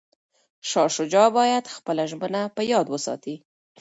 شاه شجاع باید خپله ژمنه په یاد وساتي.